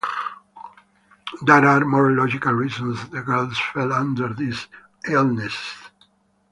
There are more logical reasons the girls fell under these illnesses.